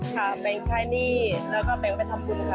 จะไปใช้หนี้แล้วก็ไปทำคุณครับ